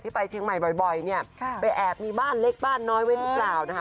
ไปเชียงใหม่บ่อยเนี่ยไปแอบมีบ้านเล็กบ้านน้อยไว้หรือเปล่านะคะ